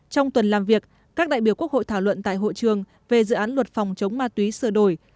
trong tuần làm việc các đại biểu quốc hội thảo luận tại hội trường về dự án luật phòng chống ma túy sửa đổi